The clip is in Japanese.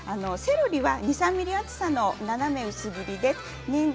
セロリは２、３ｍｍ厚さの斜め薄切りです。